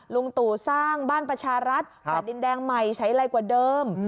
ลุงตู่สร้างบ้านประชารัฐแผ่นดินแดงใหม่ใช้อะไรกว่าเดิม